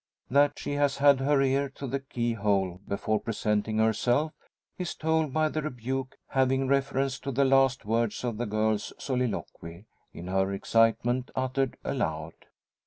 That she has had her ear to the keyhole before presenting herself is told by the rebuke having reference to the last words of the girl's soliloquy, in her excitement uttered aloud.